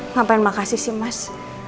ngapain makasih sih mas